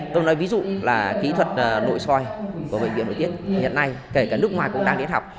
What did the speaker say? tôi nói ví dụ là kỹ thuật nội soi của bệnh viện nội tiết hiện nay kể cả nước ngoài cũng đang đi học